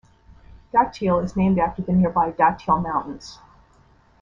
Datil is named after the nearby Datil Mountains.